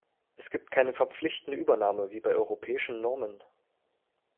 Es gibt keine verpflichtende Übernahme wie bei Europäischen Normen.